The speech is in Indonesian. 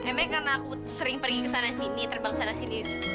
namanya karena aku sering pergi kesana sini terbang kesana sini